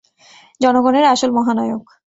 জনগণের আসল মহানায়ক।